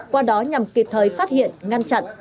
qua đó nhằm kịp thời phát hiện ngăn chặn